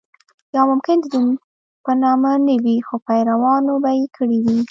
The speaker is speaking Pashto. یا ممکن د دین په نامه نه وي خو پیروانو به کړې وي.